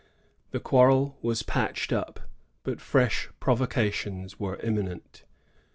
The quarrel was patched up, but fresh provocations were imminent.